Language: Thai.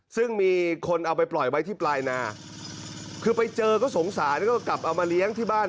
ซึ่งมีคนเอาไปปล่อยไว้ที่ปลายนาคือไปเจอก็สงสารแล้วก็กลับเอามาเลี้ยงที่บ้าน